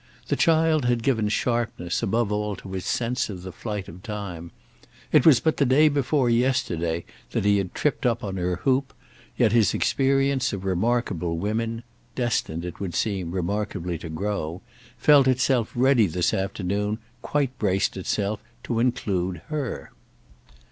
The child had given sharpness, above all, to his sense of the flight of time; it was but the day before yesterday that he had tripped up on her hoop, yet his experience of remarkable women—destined, it would seem, remarkably to grow—felt itself ready this afternoon, quite braced itself, to include her.